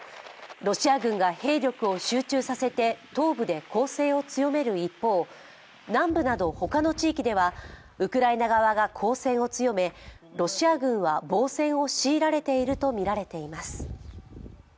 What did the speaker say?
ロシア軍が兵力を集中させて東部で攻勢を強める一方、南部など他の地域では、ウクライナ側が攻勢を強めロシア軍は防戦を強いられているとみられています。